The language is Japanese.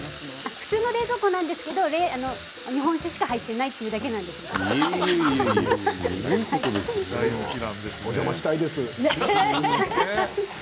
普通の冷蔵庫なんですけど日本酒しか入っていないっていうお邪魔したいです。